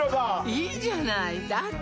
いいじゃないだって